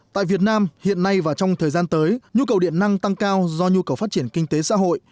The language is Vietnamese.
tại việt nam hiện nay và trong thời gian tới nhu cầu điện năng tăng cao do nhu cầu phát triển kinh tế xã hội